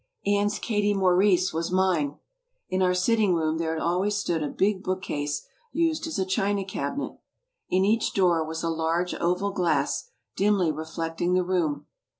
Anne's Katie Maurice was mine. In our sitring room there had always stood a big book case used as a china cabinet. In each door was a large oval glass, dimly reflecting the room.